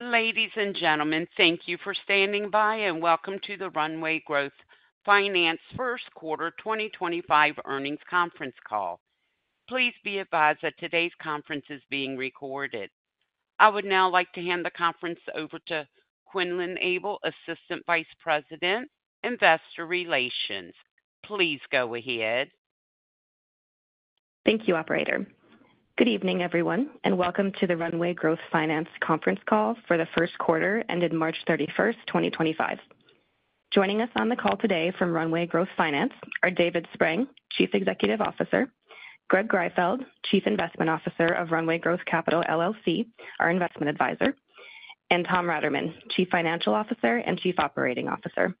Ladies and gentlemen, thank you for standing by, and welcome to the Runway Growth Finance First Quarter 2025 Earnings conference call. Please be advised that today's conference is being recorded. I would now like to hand the conference over to Quinlan Abel, Assistant Vice President, Investor Relations. Please go ahead. Thank you, Operator. Good evening, everyone, and welcome to the Runway Growth Finance conference call for the first quarter ended March 31, 2025. Joining us on the call today from Runway Growth Finance are David Spreng, Chief Executive Officer; Greg Greifeld, Chief Investment Officer of Runway Growth Capital LLC, our Investment Advisor; and Tom Raterman, Chief Financial Officer and Chief Operating Officer.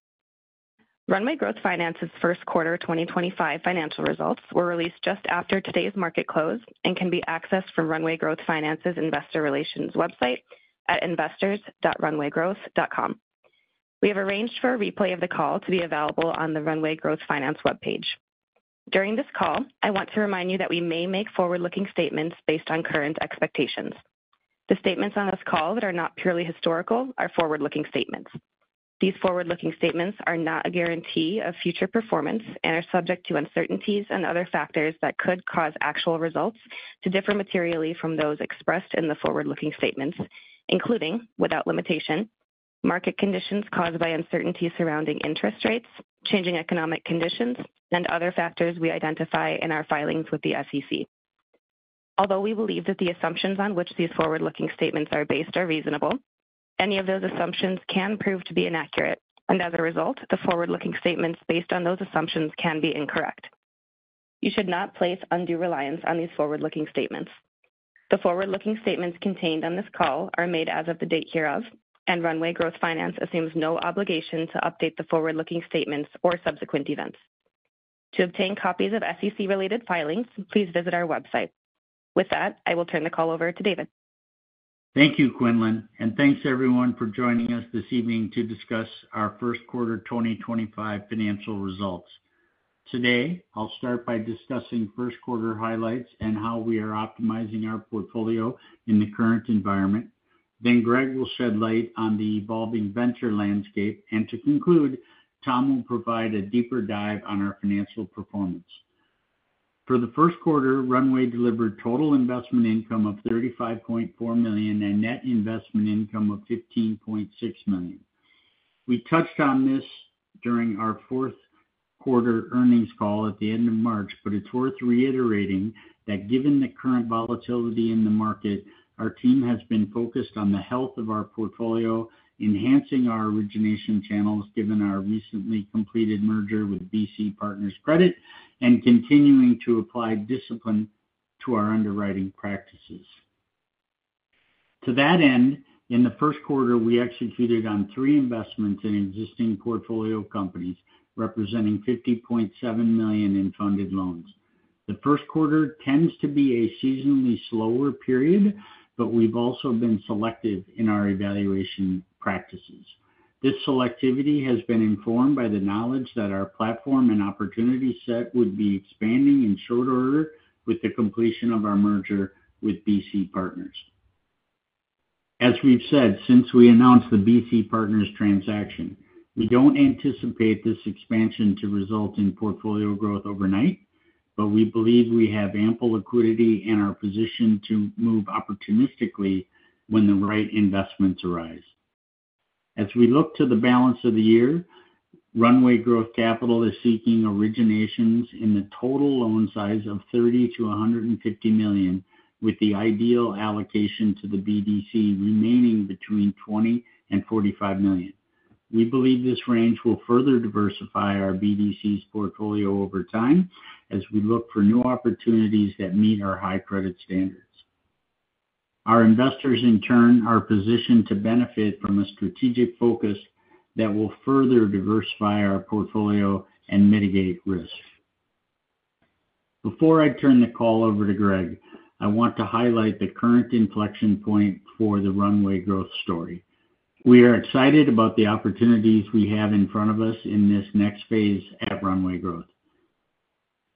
Runway Growth Finance's first quarter 2025 financial results were released just after today's market close and can be accessed from Runway Growth Finance's Investor Relations website at investors.runwaygrowth.com. We have arranged for a replay of the call to be available on the Runway Growth Finance webpage. During this call, I want to remind you that we may make forward-looking statements based on current expectations. The statements on this call that are not purely historical are forward-looking statements. These forward-looking statements are not a guarantee of future performance and are subject to uncertainties and other factors that could cause actual results to differ materially from those expressed in the forward-looking statements, including, without limitation, market conditions caused by uncertainty surrounding interest rates, changing economic conditions, and other factors we identify in our filings with the SEC. Although we believe that the assumptions on which these forward-looking statements are based are reasonable, any of those assumptions can prove to be inaccurate, and as a result, the forward-looking statements based on those assumptions can be incorrect. You should not place undue reliance on these forward-looking statements. The forward-looking statements contained on this call are made as of the date hereof, and Runway Growth Finance assumes no obligation to update the forward-looking statements or subsequent events. To obtain copies of SEC-related filings, please visit our website. With that, I will turn the call over to David. Thank you, Quinlan, and thanks everyone for joining us this evening to discuss our first quarter 2025 financial results. Today, I'll start by discussing first quarter highlights and how we are optimizing our portfolio in the current environment. Greg will shed light on the evolving venture landscape, and to conclude, Tom will provide a deeper dive on our financial performance. For the first quarter, Runway delivered total investment income of $35.4 million and net investment income of $15.6 million. We touched on this during our fourth quarter earnings call at the end of March, but it's worth reiterating that given the current volatility in the market, our team has been focused on the health of our portfolio, enhancing our origination channels given our recently completed merger with BC Partners Credit, and continuing to apply discipline to our underwriting practices. To that end, in the first quarter, we executed on three investments in existing portfolio companies representing $50.7 million in funded loans. The first quarter tends to be a seasonally slower period, but we've also been selective in our evaluation practices. This selectivity has been informed by the knowledge that our platform and opportunity set would be expanding in short order with the completion of our merger with BC Partners. As we've said, since we announced the BC Partners transaction, we don't anticipate this expansion to result in portfolio growth overnight, but we believe we have ample liquidity and are positioned to move opportunistically when the right investments arise. As we look to the balance of the year, Runway Growth Capital is seeking originations in the total loan size of $30 to $150 million, with the ideal allocation to the BDC remaining between $20 to $45 million. We believe this range will further diversify our BDC's portfolio over time as we look for new opportunities that meet our high credit standards. Our investors, in turn, are positioned to benefit from a strategic focus that will further diversify our portfolio and mitigate risk. Before I turn the call over to Greg, I want to highlight the current inflection point for the Runway Growth story. We are excited about the opportunities we have in front of us in this next phase at Runway Growth.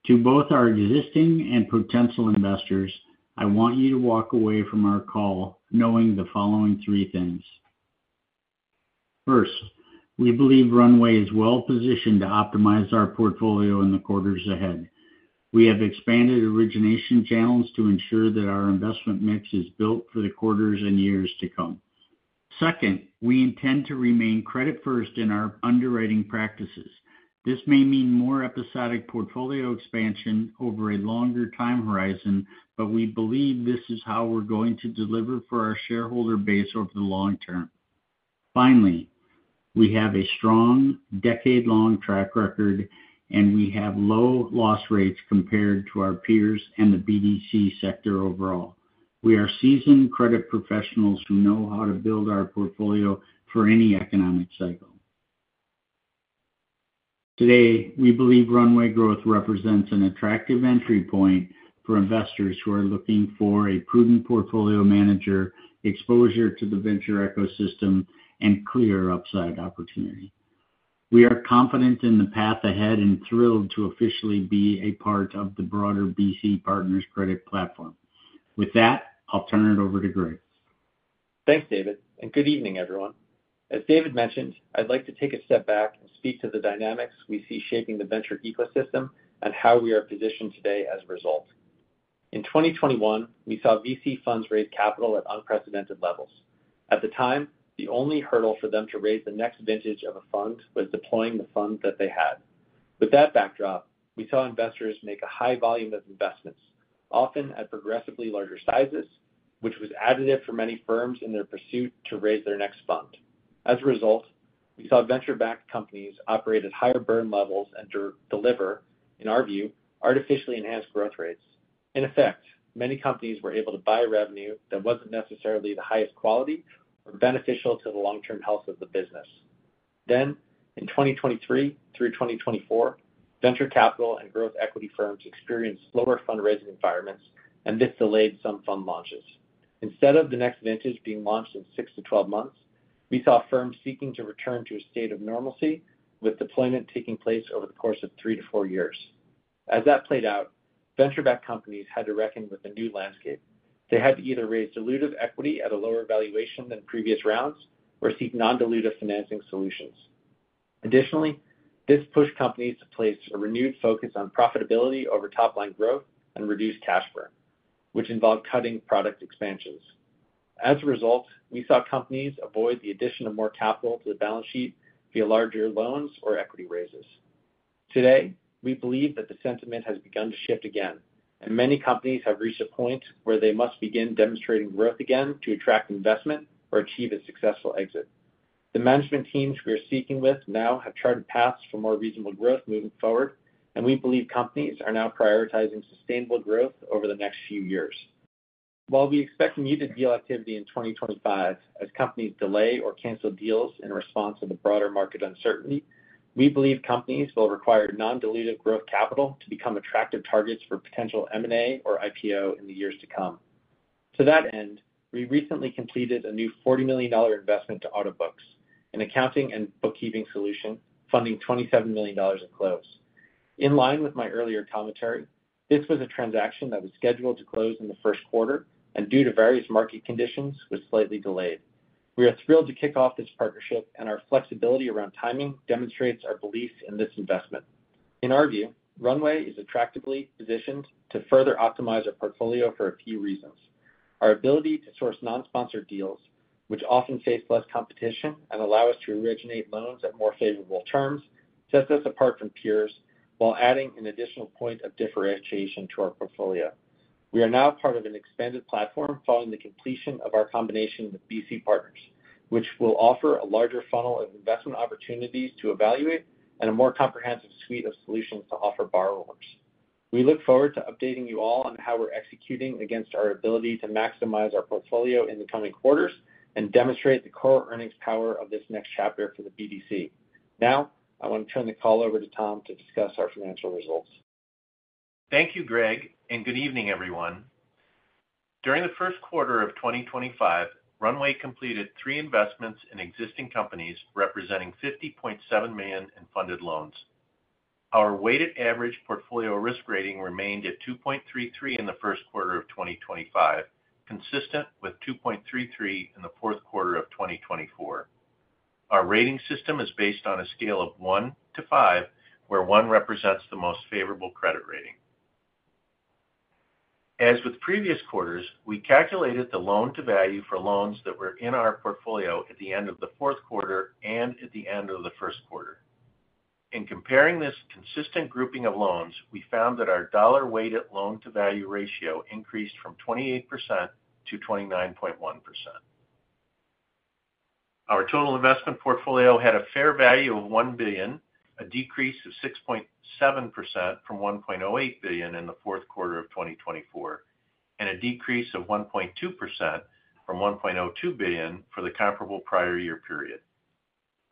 To both our existing and potential investors, I want you to walk away from our call knowing the following three things. First, we believe Runway is well positioned to optimize our portfolio in the quarters ahead. We have expanded origination channels to ensure that our investment mix is built for the quarters and years to come. Second, we intend to remain credit-first in our underwriting practices. This may mean more episodic portfolio expansion over a longer time horizon, but we believe this is how we're going to deliver for our shareholder base over the long term. Finally, we have a strong decade-long track record, and we have low loss rates compared to our peers and the BDC sector overall. We are seasoned credit professionals who know how to build our portfolio for any economic cycle. Today, we believe Runway Growth represents an attractive entry point for investors who are looking for a prudent portfolio manager, exposure to the venture ecosystem, and clear upside opportunity. We are confident in the path ahead and thrilled to officially be a part of the broader BC Partners Credit platform. With that, I'll turn it over to Greg. Thanks, David, and good evening, everyone. As David mentioned, I'd like to take a step back and speak to the dynamics we see shaping the venture ecosystem and how we are positioned today as a result. In 2021, we saw VC funds raise capital at unprecedented levels. At the time, the only hurdle for them to raise the next vintage of a fund was deploying the fund that they had. With that backdrop, we saw investors make a high volume of investments, often at progressively larger sizes, which was additive for many firms in their pursuit to raise their next fund. As a result, we saw venture-backed companies operate at higher burn levels and deliver, in our view, artificially enhanced growth rates. In effect, many companies were able to buy revenue that wasn't necessarily the highest quality or beneficial to the long-term health of the business. In 2023 through 2024, venture capital and growth equity firms experienced slower fundraising environments, and this delayed some fund launches. Instead of the next vintage being launched in 6-12 months, we saw firms seeking to return to a state of normalcy, with deployment taking place over the course of 3-4 years. As that played out, venture-backed companies had to reckon with a new landscape. They had to either raise dilutive equity at a lower valuation than previous rounds or seek non-dilutive financing solutions. Additionally, this pushed companies to place a renewed focus on profitability over top-line growth and reduced cash burn, which involved cutting product expansions. As a result, we saw companies avoid the addition of more capital to the balance sheet via larger loans or equity raises. Today, we believe that the sentiment has begun to shift again, and many companies have reached a point where they must begin demonstrating growth again to attract investment or achieve a successful exit. The management teams we are speaking with now have charted paths for more reasonable growth moving forward, and we believe companies are now prioritizing sustainable growth over the next few years. While we expect muted deal activity in 2025 as companies delay or cancel deals in response to the broader market uncertainty, we believe companies will require non-dilutive growth capital to become attractive targets for potential M&A or IPO in the years to come. To that end, we recently completed a new $40 million investment to Autobooks, an accounting and bookkeeping solution, funding $27 million in close. In line with my earlier commentary, this was a transaction that was scheduled to close in the first quarter and, due to various market conditions, was slightly delayed. We are thrilled to kick off this partnership, and our flexibility around timing demonstrates our belief in this investment. In our view, Runway is attractively positioned to further optimize our portfolio for a few reasons. Our ability to source non-sponsored deals, which often face less competition and allow us to originate loans at more favorable terms, sets us apart from peers while adding an additional point of differentiation to our portfolio. We are now part of an expanded platform following the completion of our combination with BC Partners, which will offer a larger funnel of investment opportunities to evaluate and a more comprehensive suite of solutions to offer borrowers. We look forward to updating you all on how we're executing against our ability to maximize our portfolio in the coming quarters and demonstrate the core earnings power of this next chapter for the BDC. Now, I want to turn the call over to Tom to discuss our financial results. Thank you, Greg, and good evening, everyone. During the first quarter of 2025, Runway completed three investments in existing companies representing $50.7 million in funded loans. Our weighted average portfolio risk rating remained at 2.33 in the first quarter of 2025, consistent with 2.33 in the fourth quarter of 2024. Our rating system is based on a scale of one to five, where one represents the most favorable credit rating. As with previous quarters, we calculated the loan-to-value for loans that were in our portfolio at the end of the fourth quarter and at the end of the first quarter. In comparing this consistent grouping of loans, we found that our dollar-weighted loan-to-value ratio increased from 28% to 29.1%. Our total investment portfolio had a fair value of $1 billion, a decrease of 6.7% from $1.08 billion in the fourth quarter of 2024, and a decrease of 1.2% from $1.02 billion for the comparable prior year period.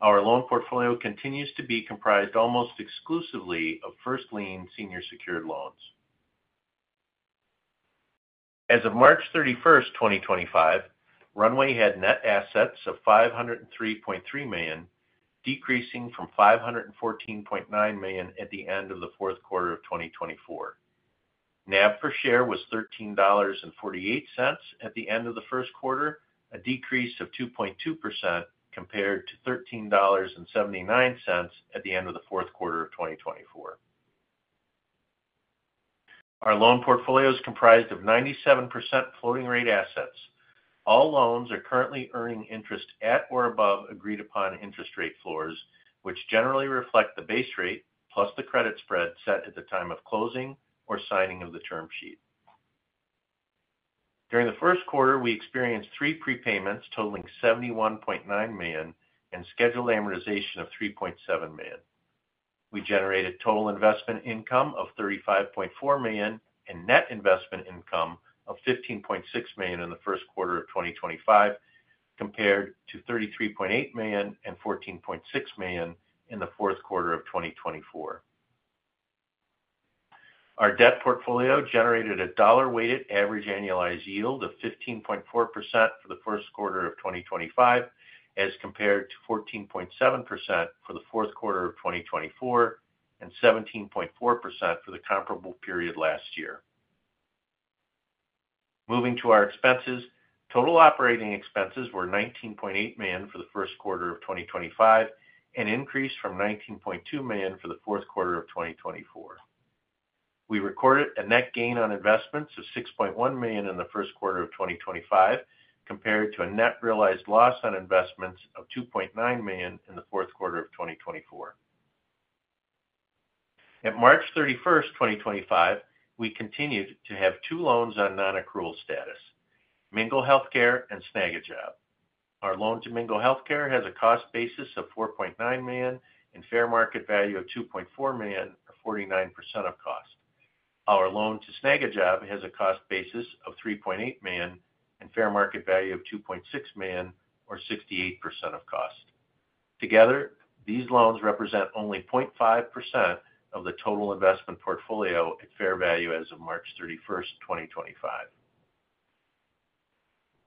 Our loan portfolio continues to be comprised almost exclusively of first lien senior secured loans. As of March 31, 2025, Runway had net assets of $503.3 million, decreasing from $514.9 million at the end of the fourth quarter of 2024. NAV per share was $13.48 at the end of the first quarter, a decrease of 2.2% compared to $13.79 at the end of the fourth quarter of 2024. Our loan portfolio is comprised of 97% floating-rate assets. All loans are currently earning interest at or above agreed-upon interest rate floors, which generally reflect the base rate plus the credit spread set at the time of closing or signing of the term sheet. During the first quarter, we experienced three prepayments totaling $71.9 million and scheduled amortization of $3.7 million. We generated total investment income of $35.4 million and net investment income of $15.6 million in the first quarter of 2025, compared to $33.8 million and $14.6 million in the fourth quarter of 2024. Our debt portfolio generated a dollar-weighted average annualized yield of 15.4% for the first quarter of 2025, as compared to 14.7% for the fourth quarter of 2024 and 17.4% for the comparable period last year. Moving to our expenses, total operating expenses were $19.8 million for the first quarter of 2025 and increased from $19.2 million for the fourth quarter of 2024. We recorded a net gain on investments of $6.1 million in the first quarter of 2025, compared to a net realized loss on investments of $2.9 million in the fourth quarter of 2024. At March 31, 2025, we continued to have two loans on non-accrual status: Mingle Healthcare and Snagajob. Our loan to Mingle Healthcare has a cost basis of $4.9 million and fair market value of $2.4 million, or 49% of cost. Our loan to Snagajob has a cost basis of $3.8 million and fair market value of $2.6 million, or 68% of cost. Together, these loans represent only 0.5% of the total investment portfolio at fair value as of March 31, 2025.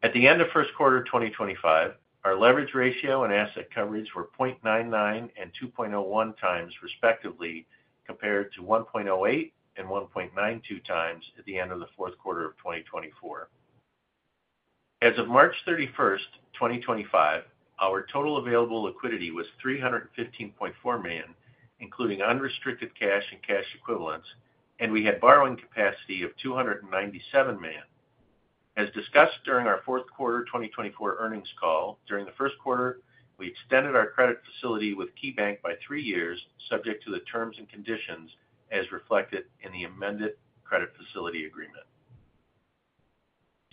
At the end of first quarter 2025, our leverage ratio and asset coverage were 0.99 and 2.01 times, respectively, compared to 1.08 and 1.92 times at the end of the fourth quarter of 2024. As of March 31, 2025, our total available liquidity was $315.4 million, including unrestricted cash and cash equivalents, and we had borrowing capacity of $297 million. As discussed during our fourth quarter 2024 earnings call, during the first quarter, we extended our credit facility with KeyBank by three years, subject to the terms and conditions as reflected in the amended credit facility agreement.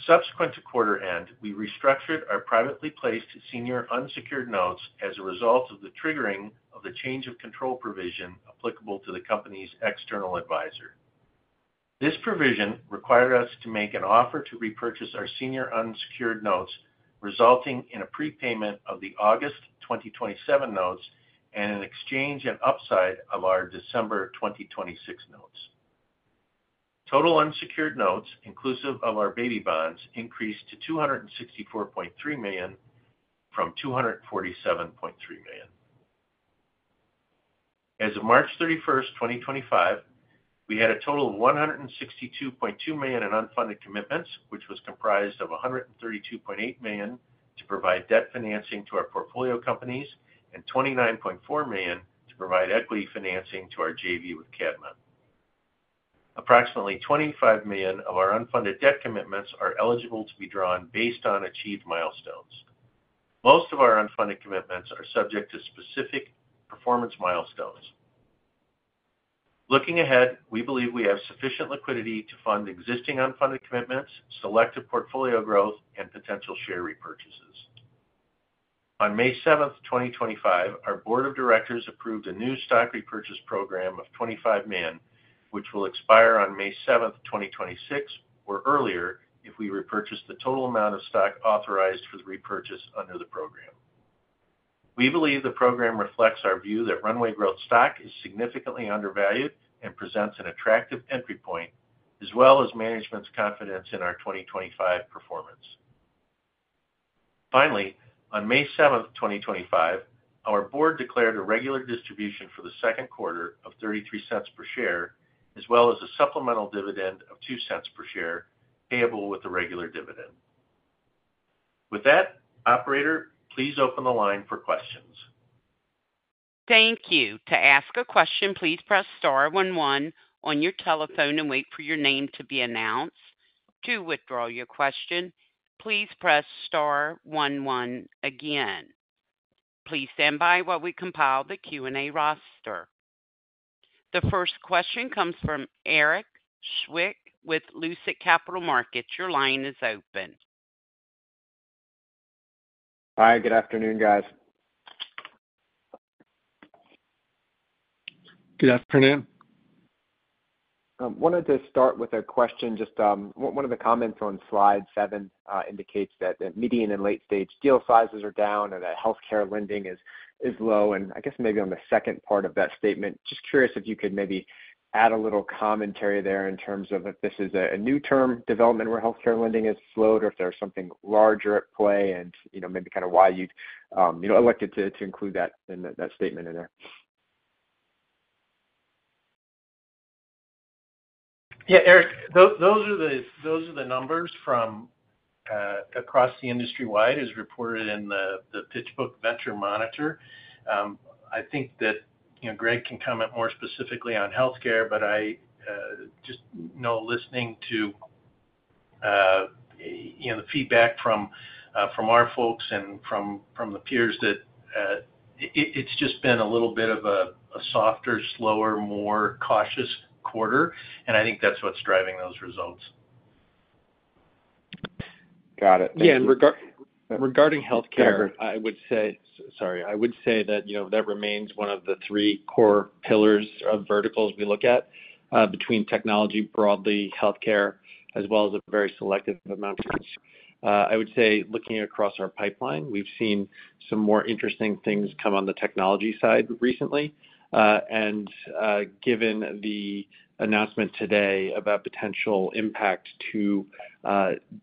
Subsequent to quarter end, we restructured our privately placed senior unsecured notes as a result of the triggering of the change of control provision applicable to the company's external advisor. This provision required us to make an offer to repurchase our senior unsecured notes, resulting in a prepayment of the August 2027 notes and an exchange and upside of our December 2026 notes. Total unsecured notes, inclusive of our baby bonds, increased to $264.3 million from $247.3 million. As of March 31, 2025, we had a total of $162.2 million in unfunded commitments, which was comprised of $132.8 million to provide debt financing to our portfolio companies and $29.4 million to provide equity financing to our JV with Cadma. Approximately $25 million of our unfunded debt commitments are eligible to be drawn based on achieved milestones. Most of our unfunded commitments are subject to specific performance milestones. Looking ahead, we believe we have sufficient liquidity to fund existing unfunded commitments, selective portfolio growth, and potential share repurchases. On May 7, 2025, our board of directors approved a new stock repurchase program of $25 million, which will expire on May 7, 2026, or earlier if we repurchase the total amount of stock authorized for the repurchase under the program. We believe the program reflects our view that Runway Growth Finance stock is significantly undervalued and presents an attractive entry point, as well as management's confidence in our 2025 performance. Finally, on May 7, 2025, our board declared a regular distribution for the second quarter of $0.33 per share, as well as a supplemental dividend of $0.02 per share payable with the regular dividend. With that, Operator, please open the line for questions. Thank you. To ask a question, please press star one one on your telephone and wait for your name to be announced. To withdraw your question, please press star one one again. Please stand by while we compile the Q&A roster. The first question comes from Erik Zwick with Lucid Capital Markets. Your line is open. Hi, good afternoon, guys. Good afternoon. I wanted to start with a question. Just one of the comments on slide 7 indicates that median and late-stage deal sizes are down and that healthcare lending is low. I guess maybe on the second part of that statement, just curious if you could maybe add a little commentary there in terms of if this is a new term development where healthcare lending has slowed or if there is something larger at play and maybe kind of why you elected to include that statement in there. Yeah, Eric, those are the numbers from across the industry wide as reported in the PitchBook Venture Monitor. I think that Greg can comment more specifically on healthcare, but I just know listening to the feedback from our folks and from the peers that it's just been a little bit of a softer, slower, more cautious quarter, and I think that's what's driving those results. Got it. Yeah, and regarding healthcare, I would say, sorry, I would say that that remains one of the three core pillars of verticals we look at between technology, broadly healthcare, as well as a very selective amount of. I would say looking across our pipeline, we've seen some more interesting things come on the technology side recently. Given the announcement today about potential impact to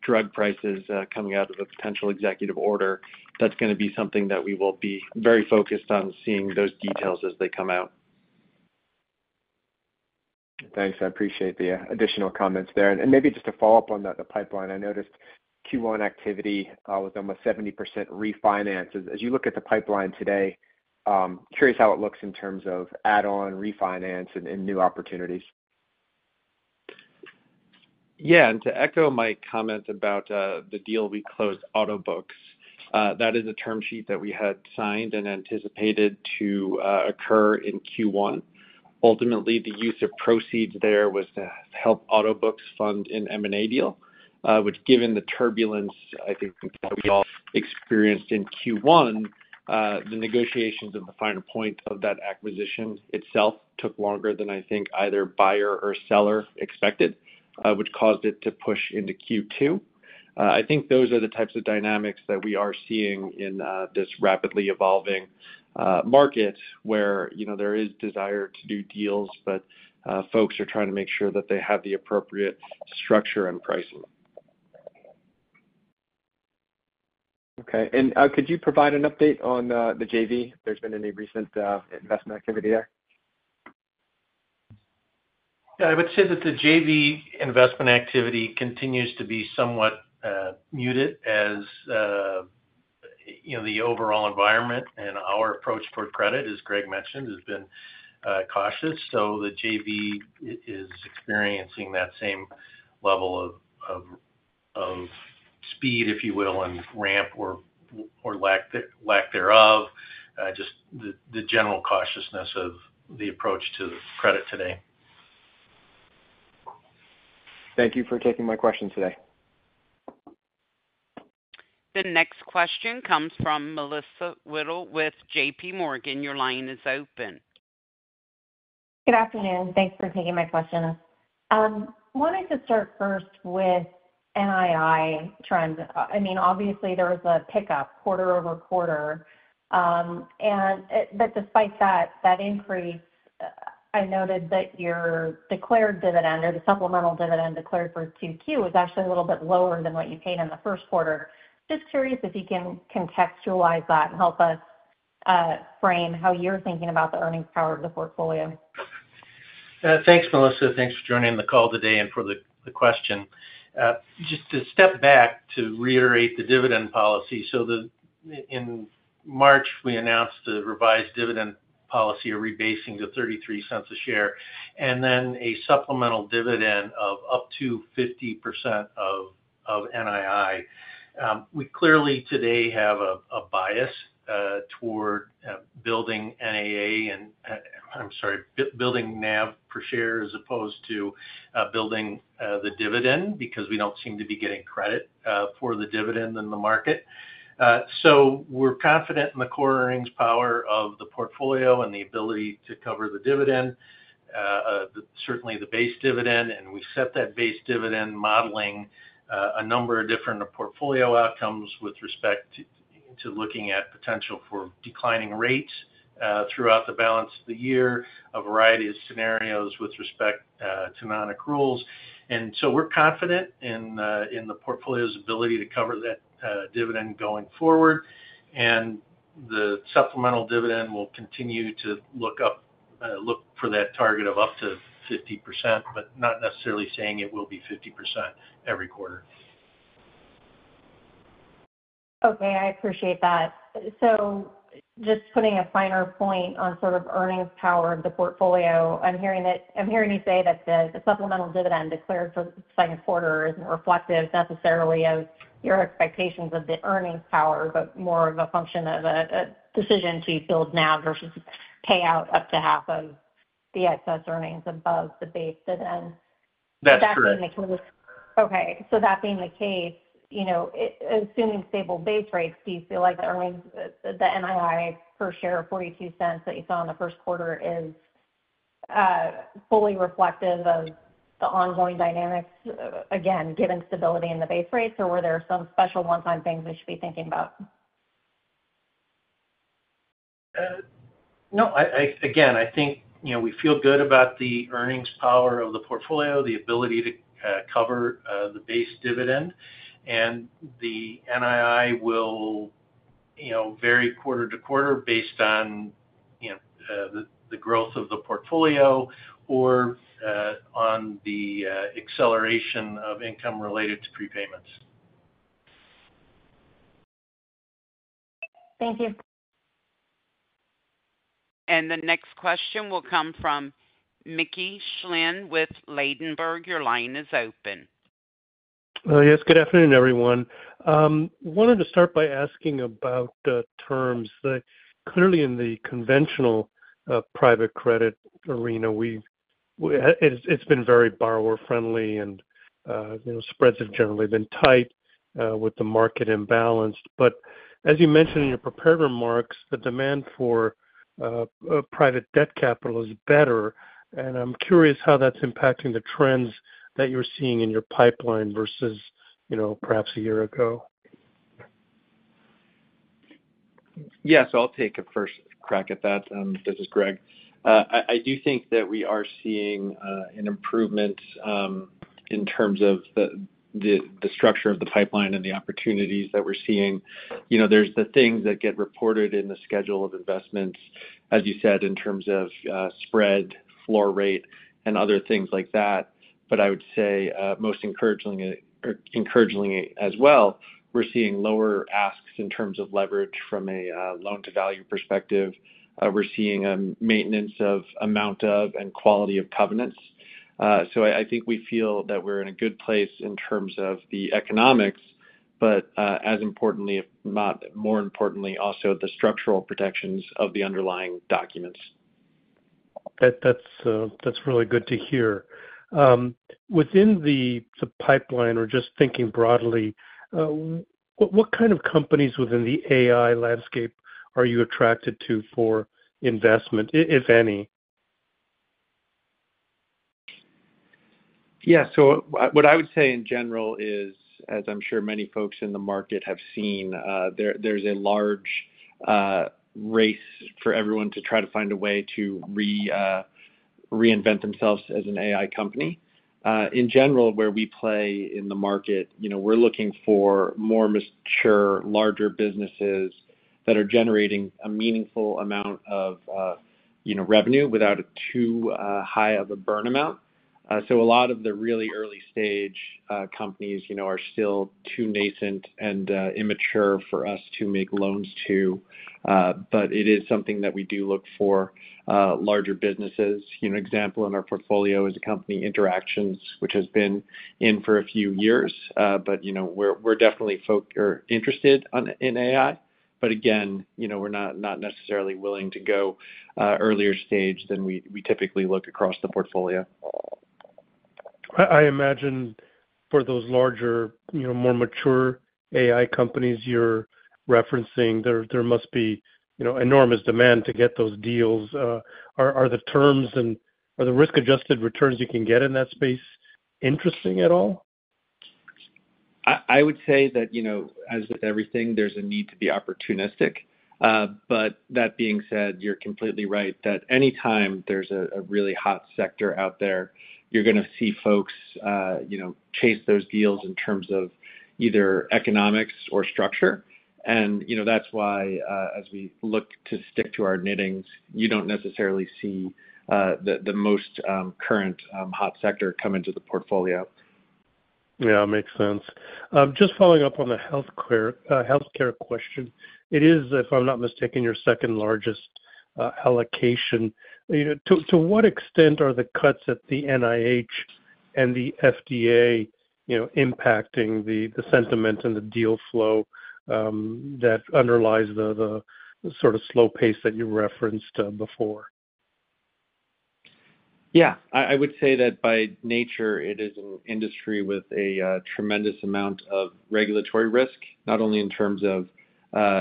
drug prices coming out of a potential executive order, that's going to be something that we will be very focused on seeing those details as they come out. Thanks. I appreciate the additional comments there. Maybe just to follow up on the pipeline, I noticed Q1 activity was almost 70% refinances. As you look at the pipeline today, curious how it looks in terms of add-on, refinance, and new opportunities. Yeah, and to echo my comment about the deal we closed, AutoBooks, that is a term sheet that we had signed and anticipated to occur in Q1. Ultimately, the use of proceeds there was to help AutoBooks fund an M&A deal, which, given the turbulence, I think, that we all experienced in Q1, the negotiations at the finer point of that acquisition itself took longer than I think either buyer or seller expected, which caused it to push into Q2. I think those are the types of dynamics that we are seeing in this rapidly evolving market where there is desire to do deals, but folks are trying to make sure that they have the appropriate structure and pricing. Okay. Could you provide an update on the JV? Has there been any recent investment activity there? Yeah, I would say that the JV investment activity continues to be somewhat muted as the overall environment and our approach toward credit, as Greg mentioned, has been cautious. The JV is experiencing that same level of speed, if you will, and ramp or lack thereof, just the general cautiousness of the approach to credit today. Thank you for taking my question today. The next question comes from Melissa Wedel with JPMorgan. Your line is open. Good afternoon. Thanks for taking my question. I wanted to start first with NII trends. I mean, obviously, there was a pickup quarter-over-quarter. Despite that increase, I noted that your declared dividend or the supplemental dividend declared for Q2 was actually a little bit lower than what you paid in the first quarter. Just curious if you can contextualize that and help us frame how you're thinking about the earnings power of the portfolio. Thanks, Melissa. Thanks for joining the call today and for the question. Just to step back to reiterate the dividend policy. In March, we announced the revised dividend policy or rebasing to $0.33 a share and then a supplemental dividend of up to 50% of NII. We clearly today have a bias toward building NAA and, I'm sorry, building NAV per share as opposed to building the dividend because we don't seem to be getting credit for the dividend in the market. We are confident in the core earnings power of the portfolio and the ability to cover the dividend, certainly the base dividend. We have set that base dividend modeling a number of different portfolio outcomes with respect to looking at potential for declining rates throughout the balance of the year, a variety of scenarios with respect to non-accruals. We're confident in the portfolio's ability to cover that dividend going forward. The supplemental dividend will continue to look for that target of up to 50%, but not necessarily saying it will be 50% every quarter. Okay. I appreciate that. Just putting a finer point on sort of earnings power of the portfolio, I'm hearing you say that the supplemental dividend declared for the second quarter isn't reflective necessarily of your expectations of the earnings power, but more of a function of a decision to build NAV versus pay out up to half of the excess earnings above the base dividend. That's correct. Okay. So that being the case, assuming stable base rates, do you feel like the NII per share of $0.42 that you saw in the first quarter is fully reflective of the ongoing dynamics, again, given stability in the base rates, or were there some special one-time things we should be thinking about? No, again, I think we feel good about the earnings power of the portfolio, the ability to cover the base dividend. The NII will vary quarter to quarter based on the growth of the portfolio or on the acceleration of income related to prepayments. Thank you. The next question will come from Mickey Schleien with Ladenburg. Your line is open. Yes, good afternoon, everyone. I wanted to start by asking about terms. Clearly, in the conventional private credit arena, it's been very borrower-friendly, and spreads have generally been tight with the market imbalanced. As you mentioned in your prepared remarks, the demand for private debt capital is better. I'm curious how that's impacting the trends that you're seeing in your pipeline versus perhaps a year ago? Yes, I'll take a first crack at that. This is Greg. I do think that we are seeing an improvement in terms of the structure of the pipeline and the opportunities that we're seeing. There's the things that get reported in the schedule of investments, as you said, in terms of spread, floor rate, and other things like that. I would say most encouragingly as well, we're seeing lower asks in terms of leverage from a loan-to-value perspective. We're seeing a maintenance of amount of and quality of covenants. I think we feel that we're in a good place in terms of the economics, but as importantly, if not more importantly, also the structural protections of the underlying documents. That's really good to hear. Within the pipeline, or just thinking broadly, what kind of companies within the AI landscape are you attracted to for investment, if any? Yeah. So what I would say in general is, as I'm sure many folks in the market have seen, there's a large race for everyone to try to find a way to reinvent themselves as an AI company. In general, where we play in the market, we're looking for more mature, larger businesses that are generating a meaningful amount of revenue without too high of a burn amount. A lot of the really early-stage companies are still too nascent and immature for us to make loans to. It is something that we do look for larger businesses. An example in our portfolio is a company, Interactions, which has been in for a few years, but we're definitely interested in AI. Again, we're not necessarily willing to go earlier stage than we typically look across the portfolio. I imagine for those larger, more mature AI companies you're referencing, there must be enormous demand to get those deals. Are the terms and are the risk-adjusted returns you can get in that space interesting at all? I would say that, as with everything, there's a need to be opportunistic. That being said, you're completely right that anytime there's a really hot sector out there, you're going to see folks chase those deals in terms of either economics or structure. That's why, as we look to stick to our knittings, you don't necessarily see the most current hot sector come into the portfolio. Yeah, makes sense. Just following up on the healthcare question, it is, if I'm not mistaken, your second largest allocation. To what extent are the cuts at the NIH and the FDA impacting the sentiment and the deal flow that underlies the sort of slow pace that you referenced before? Yeah. I would say that by nature, it is an industry with a tremendous amount of regulatory risk, not only in terms of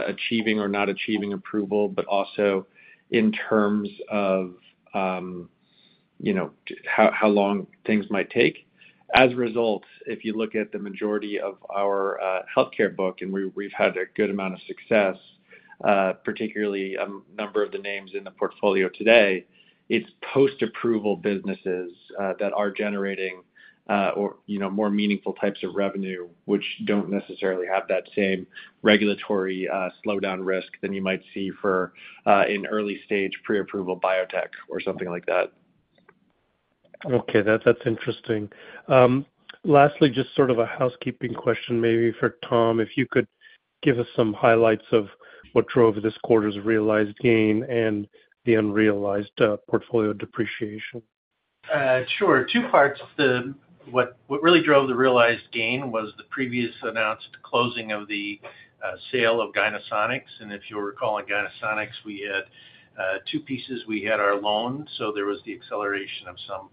achieving or not achieving approval, but also in terms of how long things might take. As a result, if you look at the majority of our healthcare book, and we've had a good amount of success, particularly a number of the names in the portfolio today, it's post-approval businesses that are generating more meaningful types of revenue, which don't necessarily have that same regulatory slowdown risk than you might see for an early-stage pre-approval biotech or something like that. Okay. That's interesting. Lastly, just sort of a housekeeping question maybe for Tom. If you could give us some highlights of what drove this quarter's realized gain and the unrealized portfolio depreciation. Sure. Two parts. What really drove the realized gain was the previous announced closing of the sale of Gynesonics. If you'll recall, in Gynesonics, we had two pieces. We had our loan, so there was the acceleration of some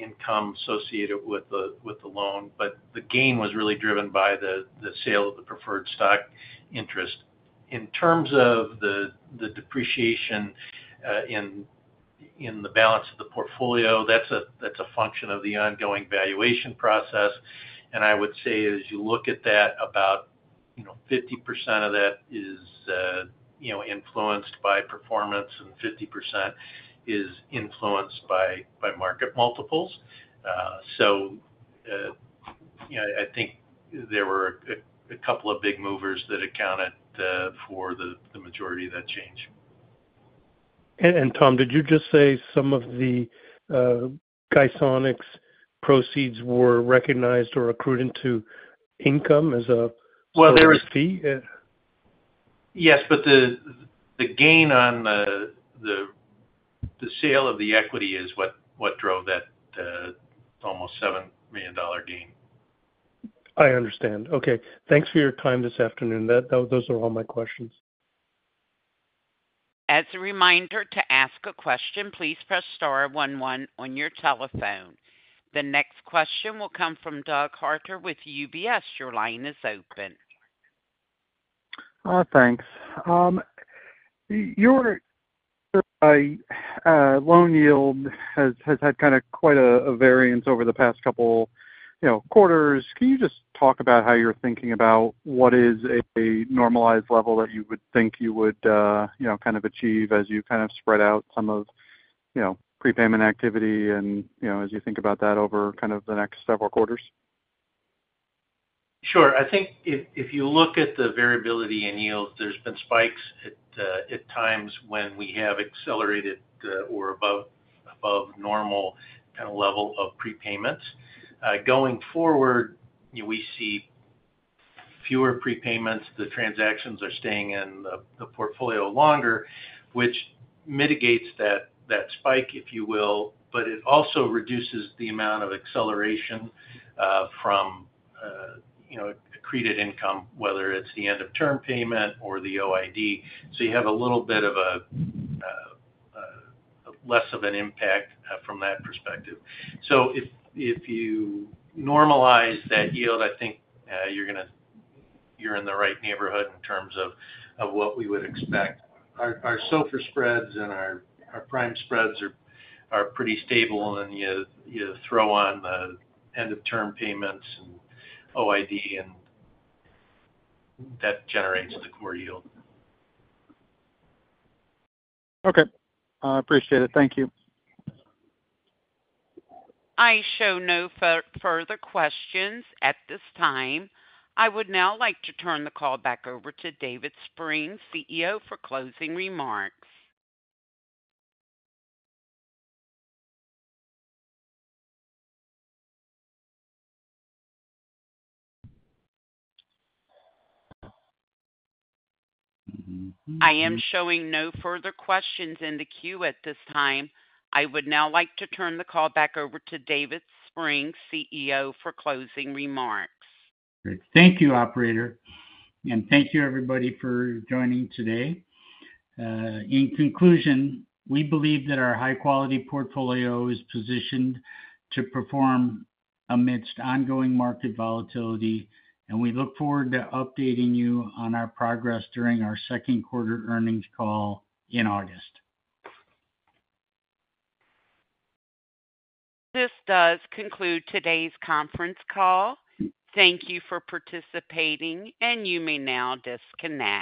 income associated with the loan. The gain was really driven by the sale of the preferred stock interest. In terms of the depreciation in the balance of the portfolio, that's a function of the ongoing valuation process. I would say, as you look at that, about 50% of that is influenced by performance, and 50% is influenced by market multiples. I think there were a couple of big movers that accounted for the majority of that change. Tom, did you just say some of the Gynesonics proceeds were recognized or accrued into income as a fee? Yes, but the gain on the sale of the equity is what drove that almost $7 million gain. I understand. Okay. Thanks for your time this afternoon. Those are all my questions. As a reminder to ask a question, please press star one one on your telephone. The next question will come from Doug Harter with UBS. Your line is open. Thanks. Your loan yield has had kind of quite a variance over the past couple of quarters. Can you just talk about how you're thinking about what is a normalized level that you would think you would kind of achieve as you kind of spread out some of prepayment activity and as you think about that over kind of the next several quarters? Sure. I think if you look at the variability in yields, there's been spikes at times when we have accelerated or above normal kind of level of prepayments. Going forward, we see fewer prepayments. The transactions are staying in the portfolio longer, which mitigates that spike, if you will, but it also reduces the amount of acceleration from accreted income, whether it's the end-of-term payment or the OID. You have a little bit of a less of an impact from that perspective. If you normalize that yield, I think you're in the right neighborhood in terms of what we would expect. Our SOFR spreads and our prime spreads are pretty stable. You throw on the end-of-term payments and OID, and that generates the core yield. Okay. I appreciate it. Thank you. I show no further questions at this time. I would now like to turn the call back over to David Spreng, CEO, for closing remarks. Thank you, operator. Thank you, everybody, for joining today. In conclusion, we believe that our high-quality portfolio is positioned to perform amidst ongoing market volatility, and we look forward to updating you on our progress during our second quarter earnings call in August. This does conclude today's conference call. Thank you for participating, and you may now disconnect.